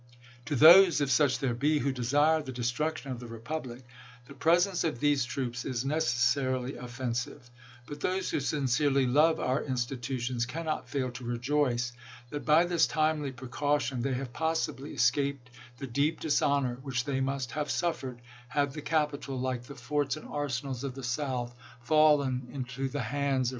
.. To those, if such there be, who desire the destruction of the republic, the presence of these troops is neces sarily offensive ; but those who sincerely love our insti tutions cannot fail to rejoice that by this timely precau tion they have possibly escaped the deep dishonor which they must have suffered had the capital, like the forts THE NATIONAL DEFENSE 149 and arsenals of the South, fallen into the hands of chap.